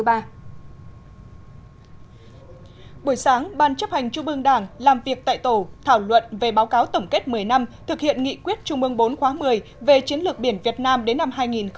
buổi sáng ban chấp hành trung ương đảng làm việc tại tổ thảo luận về báo cáo tổng kết một mươi năm thực hiện nghị quyết trung ương bốn khóa một mươi về chiến lược biển việt nam đến năm hai nghìn hai mươi